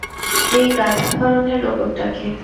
এই গাধা ধরনের রোবটটাকে।